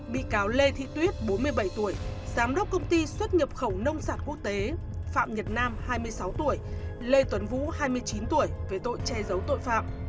bị cáo lê thị tuyết bốn mươi bảy tuổi giám đốc công ty xuất nhập khẩu nông sản quốc tế phạm nhật nam hai mươi sáu tuổi lê tuấn vũ hai mươi chín tuổi về tội che giấu tội phạm